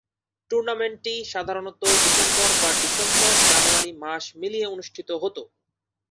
টুর্নামেন্টটি সাধারণত ডিসেম্বর বা ডিসেম্বর-জানুয়ারি মাস মিলিয়ে অনুষ্ঠিত হত।